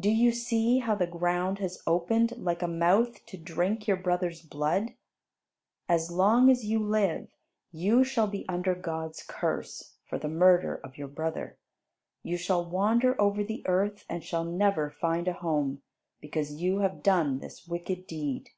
Do you see how the ground has opened, like a mouth, to drink your brother's blood? As long as you live, you shall be under God's curse for the murder of your brother. You shall wander over the earth, and shall never find a home, because you have done this wicked deed."